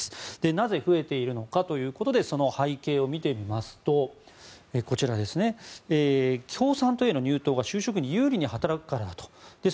なぜ増えているのかその背景を見てみますと共産党への入党が就職に有利に働くからだと。